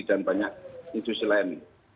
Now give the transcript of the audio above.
dan banyak institusi lain